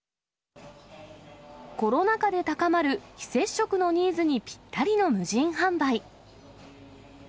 コロナ禍で高まる、非接触のニーズにぴったりの無人販売。